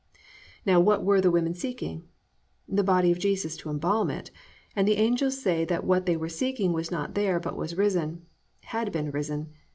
"+ Now what were the women seeking? The body of Jesus to embalm it, and the angels say that what they were seeking was not there but was risen, had been raised.